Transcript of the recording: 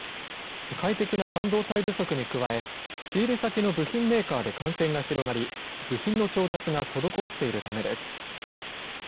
世界的な半導体不足に加え、仕入れ先の部品メーカーで感染が広がり、部品の調達が滞っているためです。